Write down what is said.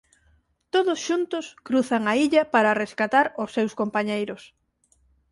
Todos xuntos cruzan a illa para rescatar ós seus compañeiros.